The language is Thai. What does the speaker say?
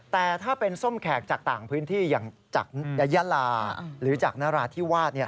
แต่ถ้าเป็นส้มแขกจากต่างพื้นที่อย่างจากยายาลาหรือจากนราธิวาส